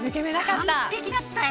完璧だったよ。